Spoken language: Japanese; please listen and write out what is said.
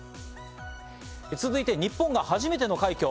続いて日本が初めての快挙。